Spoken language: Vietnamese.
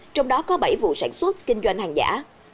trong đó có bảy vụ sản xuất kinh doanh hàng giả